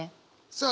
さあ